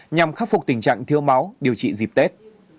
nhằm khắc phục tình trạng thiếu máu điều trị dịp tết